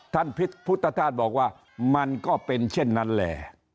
พุทธธาตุบอกว่ามันก็เป็นเช่นนั้นแหละ